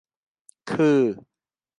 คือ